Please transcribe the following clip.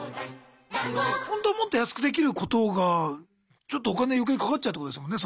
ほんとはもっと安くできることがお金余計かかっちゃうってことですもんね